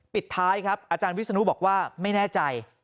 ปิดท้ายครับอาจารย์วิศนุบอกว่าไม่แน่ใจ